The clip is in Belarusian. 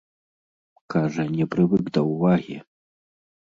Кажа, не прывык да ўвагі.